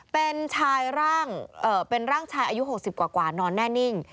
เป็นชายร่างเป็นร่างชายอายุ๖๐กว่านอนแน่นิ่ง